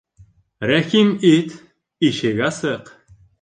Рәхим ит, ишек асыҡ.